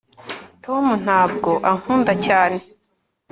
tom ntabwo ankunda cyane